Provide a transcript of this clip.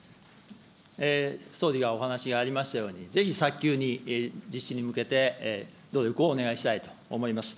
総理からお話がありましたように、ぜひ早急に、実施に向けて努力をお願いしたいと思います。